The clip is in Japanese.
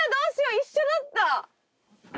一緒だった！